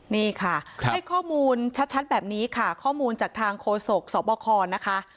นี่ค่ะให้ข้อมูลชัดแบบนี้ค่ะข้อมูลจากทางโฆษกสบคนะคะ